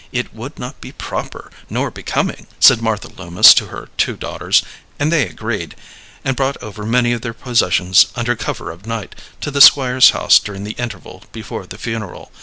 It would not be proper nor becoming," said Martha Loomis to her two daughters; and they agreed, and brought over many of their possessions under cover of night to the Squire's house during the interval before the funeral.